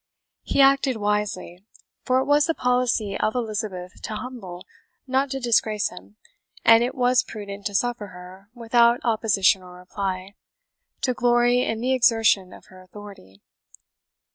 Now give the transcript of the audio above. He acted wisely; for it was the policy of Elizabeth to humble, not to disgrace him, and it was prudent to suffer her, without opposition or reply, to glory in the exertion of her authority.